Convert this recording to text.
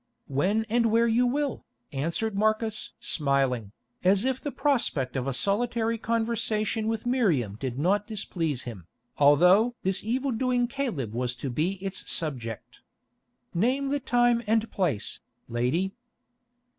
"When and where you will," answered Marcus, smiling, as if the prospect of a solitary conversation with Miriam did not displease him, although this evil doing Caleb was to be its subject. "Name the time and place, lady."